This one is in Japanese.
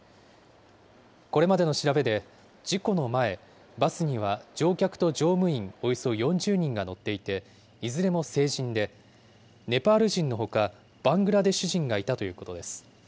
これまでの調べで、事故の前、バスには乗客と乗務員およそ４０人が乗っていて、いずれも成人で、ネパール人のほか、バングラデシュ人がいたということです。